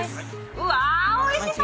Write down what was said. うわおいしそう！